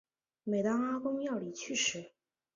每当阿公要离去时